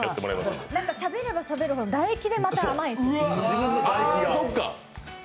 しゃべればしゃべるほど唾液でまた甘いんですよ。